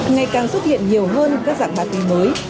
ngày càng xuất hiện nhiều hơn các dạng ma túy mới